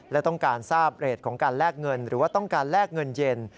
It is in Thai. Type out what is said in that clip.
และต้องการทราบเรทของการแลกเงินหรือว่าต้องการแลกเงินเย็น